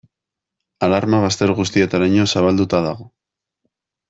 Alarma bazter guztietaraino zabalduta dago.